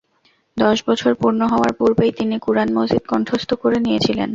দশ বছর পূর্ণ হওয়ার পূর্বেই তিনি কুরআন মজীদ কণ্ঠস্থ করে নিয়েছিলেন।